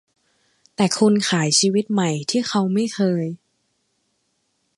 แต่คุณขายชีวิตใหม่ที่เขาไม่เคย